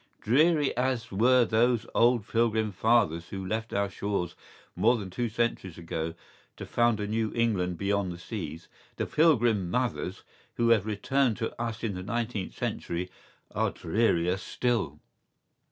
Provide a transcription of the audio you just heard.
¬Ý Dreary as were those old Pilgrim Fathers who left our shores more than two centuries ago to found a New England beyond the seas, the Pilgrim Mothers who have returned to us in the nineteenth century are drearier still.